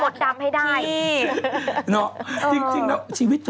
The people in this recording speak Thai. หลานไม่ได้ฝังพูดหลังน่ะลูก